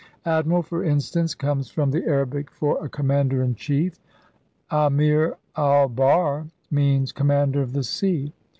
Admiral, for instance, comes from the Arabic for a commander in chief. Amir al bahr means com mander of the sea.